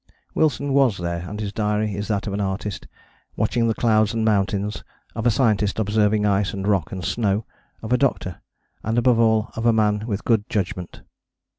Wilson was there and his diary is that of an artist, watching the clouds and mountains, of a scientist observing ice and rock and snow, of a doctor, and above all of a man with good judgment.